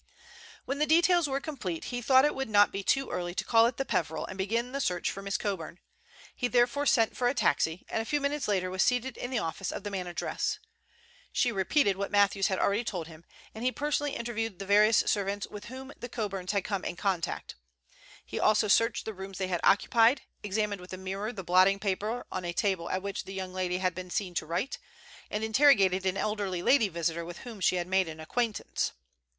When the details were complete he thought it would not be too early to call at the Peveril and begin the search for Miss Coburn. He therefore sent for a taxi, and a few minutes later was seated in the office of the manageress. She repeated what Matthews had already told him, and he personally interviewed the various servants with whom the Coburns had come in contact. He also searched the rooms they had occupied, examined with a mirror the blotting paper on a table at which the young lady had been seen to write, and interrogated an elderly lady visitor with whom she had made acquaintance.